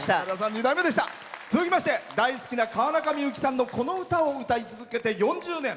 続きまして大好きな川中美幸さんのこの歌を歌い続けて４０年。